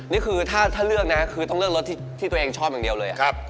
นี่คือถ้าเลือกนะคือต้องเลือกรถที่ตัวเองชอบอย่างเดียวเลย